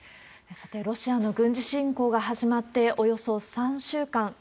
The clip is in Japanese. さて、ロシアの軍事侵攻が始まって、およそ３週間。